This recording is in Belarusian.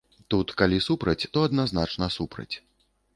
Тут калі супраць, то адназначна супраць.